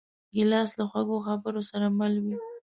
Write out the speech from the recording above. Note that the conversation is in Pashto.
ګیلاس له خوږو خبرو سره مل وي.